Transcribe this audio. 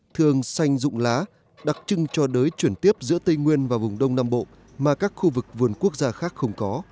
thường xanh rụng lá đặc trưng cho đới chuyển tiếp giữa tây nguyên và vùng đông nam bộ mà các khu vực vườn quốc gia khác không có